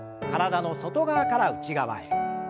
体の外側から内側へ。